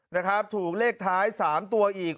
นะครับถูกเลขท้าย๓ตัวอีก